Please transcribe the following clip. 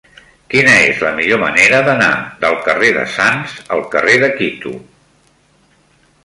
Quina és la millor manera d'anar del carrer de Sants al carrer de Quito?